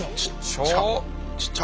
ちっちゃ。